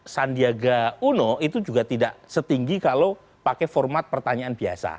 sandiaga uno itu juga tidak setinggi kalau pakai format pertanyaan biasa